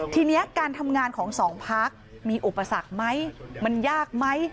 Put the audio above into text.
ทีนี้การทำงานของสองพักมีอุปสรรคไหมมันยากไหม